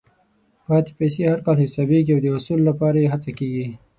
پاتې پیسې هر کال حسابېږي او د حصول لپاره یې هڅه کېږي.